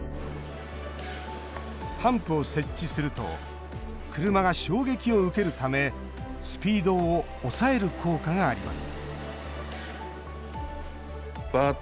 ハンプを設置すると車が衝撃を受けるためスピードを抑える効果があります